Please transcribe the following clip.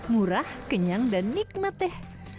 murah kenyang dan nikmat deh